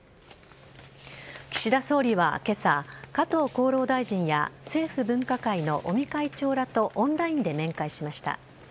岸田総理は今朝加藤厚労大臣や政府分科会の尾身会長らとオンラインで面会しました。